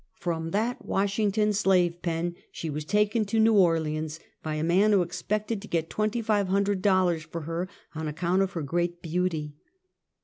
From that Washington slave pen she was taken to ITew Orleans by a man who expected to get twenty five hundred dollars for her on account of her great beauty.